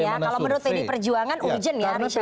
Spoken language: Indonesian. kalau menurut pdi perjuangan urgent ya reshuffle ya